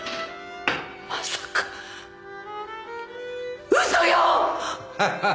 まさか嘘よ！